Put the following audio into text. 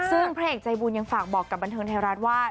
ซึ่งพระเอกใจบุญยังฝากบอกกับบันเทิงไทยรัฐว่า